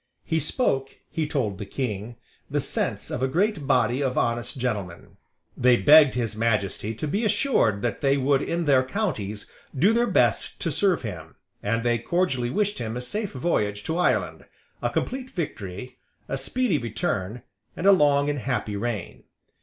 He spoke, he told the King, the sense of a great body of honest gentlemen. They begged His Majesty to be assured that they would in their counties do their best to serve him; and they cordially wished him a safe voyage to Ireland, a complete victory, a speedy return, and a long and happy reign.